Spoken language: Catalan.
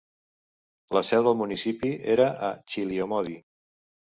La seu del municipi era a Chiliomodi.